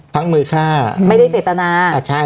พลั้งมือฆ่าไม่ได้เจตนา